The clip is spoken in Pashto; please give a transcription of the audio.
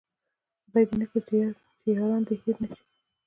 خداې دې نه کړي چې ياران د ده نه هير شي